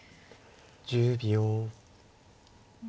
１０秒。